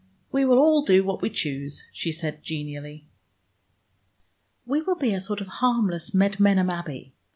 "We will all do what we choose," she said genially. "We will be a sort of harmless Medmenham Abbey.